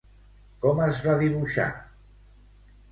Com es va dibuixar?